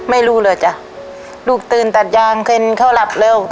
ไม่รู้เลยอะจ๊ะลูกตื่นตัดยางเค้าหลับเร็ว